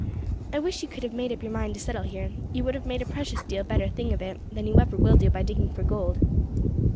I wish you could have made up your mind to settle here; you would have made a precious deal better thing of it than you ever will do by digging for gold.